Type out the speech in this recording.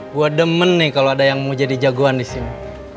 gue demen nih kalo ada yang mau jadi jagoan disini